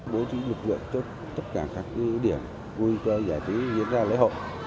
đối tượng lực lượng cho tất cả các điểm nguy cơ giải trí diễn ra lễ hội